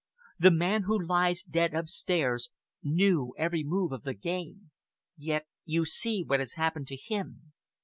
The man who lies dead upstairs knew every move of the game yet you see what has happened to him.